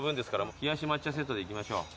冷やし抹茶セットでいきましょう。